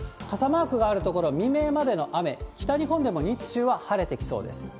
傘マークがある所は未明までの雨、北日本でも日中は晴れてきそうです。